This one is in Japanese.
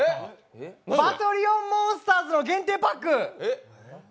バトリオンモンスターズの限定パック！